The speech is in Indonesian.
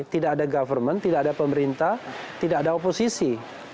tidak ada government tidak ada pemerintah tidak ada oposisi